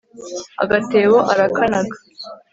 agatebo arakanaga